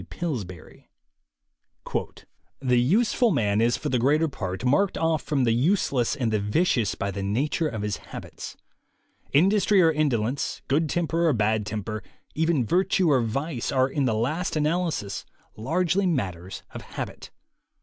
B. Pillsbury: "The useful man is for the greater part marked off from the useless and the vicious by the nature of his habits. Industry or indolence, good temper or bad temper, even virtue or vice, are in the last analysis largely matters of habit.